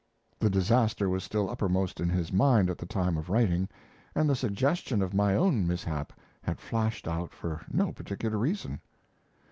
The disaster was still uppermost in his mind at the time of writing, and the suggestion of my own mishap had flashed out for no particular reason.